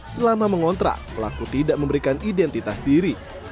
selama mengontrak pelaku tidak memberikan identitas diri